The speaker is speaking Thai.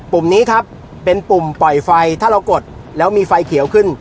นี้ครับเป็นปุ่มปล่อยไฟถ้าเรากดแล้วมีไฟเขียวขึ้น